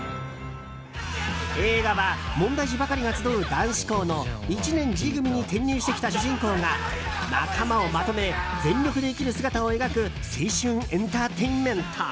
映画は問題児ばかりが集う男子高の１年Ｇ組に転入してきた主人公が仲間をまとめ全力で生きる姿を描く青春エンターテインメント。